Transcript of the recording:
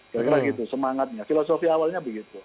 karena gitu semangatnya filosofi awalnya begitu